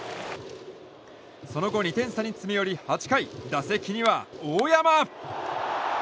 その後、２点差に詰め寄り８回打席には大山。